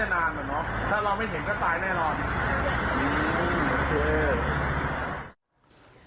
น่าจะนานเหมือนน้องถ้าเราไม่เห็นก็ตายแน่นอน